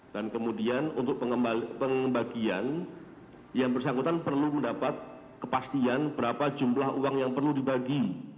dan kemudian untuk pengembalian yang bersangkutan perlu mendapat kepastian berapa jumlah uang yang perlu dibagi